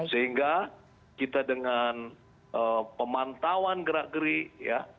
sehingga kita dengan pemantauan gerak gerik ya